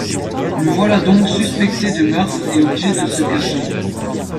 Le voilà donc suspecter de meurtre et obligé de se cacher.